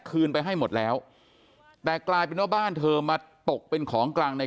คืนไปให้หมดแล้วแต่กลายเป็นว่าบ้านเธอมาตกเป็นของกลางใน